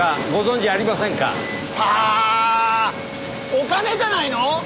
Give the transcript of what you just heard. お金じゃないの？